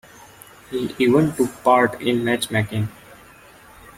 He even took part in matchmaking.